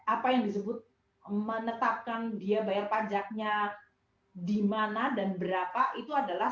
apa yang disebut menetapkan dia bayar pajaknya di mana dan berapa itu adalah